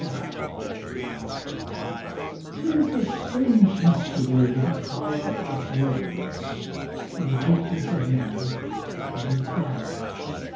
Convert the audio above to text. The Power of Words 'TIS a strange mystery, the power of words! Life is in them, and death.